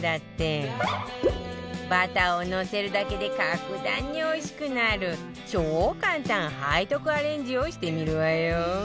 バターをのせるだけで格段においしくなる超簡単背徳アレンジをしてみるわよ